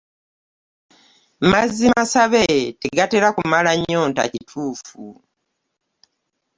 Mazzi masabe tegatera kumala nnyonta kituufu.